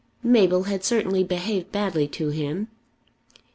Mabel had certainly behaved badly to him.